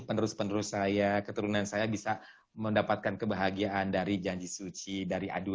penerus penerus saya keturunan saya bisa mendapatkan kebahagiaan dari janji suci dari adu